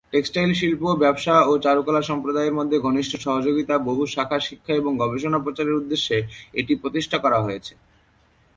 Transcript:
Textile শিল্প, ব্যবসা ও চারুকলা সম্প্রদায়ের মধ্যে ঘনিষ্ঠ সহযোগিতা বহু-শাখা-শিক্ষা এবং গবেষণা প্রচারের উদ্দেশ্যে এটি প্রতিষ্ঠা করা হয়েছে।